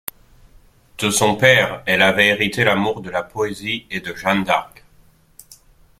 De son père, elle avait hérité l'amour de la poésie et de Jeanne d'Arc.